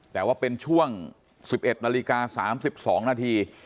แต่ว่าเป็นช่วง๑๑นาฬิกา๓๒นาที